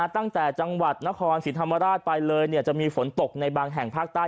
ตั้งแต่จังหวัดนครสิรรษฎรมราชไปเลยจะมีฝนตกในบางแห่งภาคต้าย